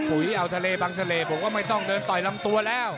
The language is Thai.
ปุ๋ยเอาทะเลบังเฉลยผมก็ไม่ต้องเดินต่อยลำตัวแล้ว